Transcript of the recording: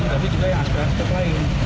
tapi juga yang asli asli lain